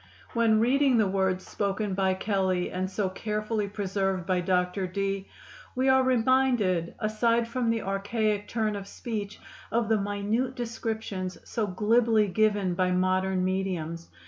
When reading the words spoken by Kelley and so carefully preserved by Dr. Dee, we are reminded, aside from the archaic turn of speech, of the minute descriptions so glibly given by modern mediums.